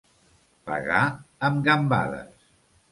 Pagar amb gambades.